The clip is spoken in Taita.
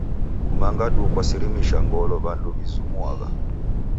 Kumanga duu kwasirimisha ngolo w'andu w'izumuagha.